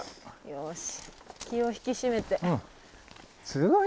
よし。